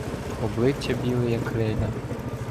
Обличчя біле як крейда.